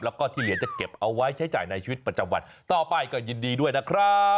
แล้วก็ที่เหลือจะเก็บเอาไว้ใช้จ่ายในชีวิตประจำวันต่อไปก็ยินดีด้วยนะครับ